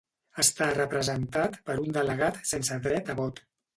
Està representat per un delegat sense dret a vot.